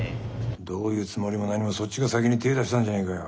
どういうつもりも何もそっちが先に手出したんじゃねえかよ。